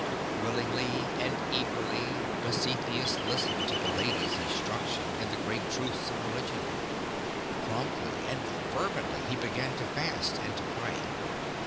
Willingly and eagerly Dositheus listened to the lady's in struction in the great truths of Religion; promptly and fervently he began to fast and to pray.